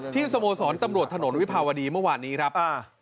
สโมสรตำรวจถนนวิภาวดีเมื่อวานนี้ครับ